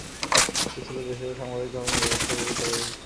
এটি ছিল দেশের সাংবিধানিক ধর্ম নিরপেক্ষতার বিরুদ্ধে সর্বশেষ কাজ।